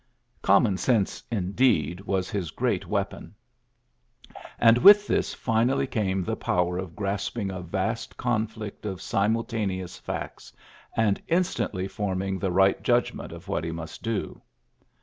Common sense, indeed, was his great weapon ; and with this finally came the power of grasping a vast conflict of si multaneous facts, and instantly forming the right judgment of what he must do.